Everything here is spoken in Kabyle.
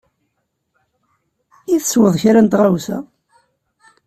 I tesweḍ kra n tɣawsa?